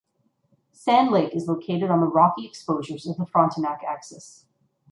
Sand Lake is located on the rocky exposures of the Frontenac Axis.